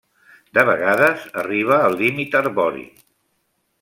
De vegades arriba al límit arbori.